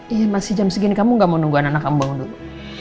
iya masih jam segini kamu gak mau nunggu anak anak ambang dulu